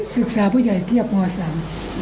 ศึกษาผู้ใหญ่เทียบมสาม